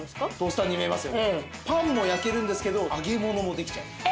パンも焼けるんですけど揚げ物もできちゃうんです。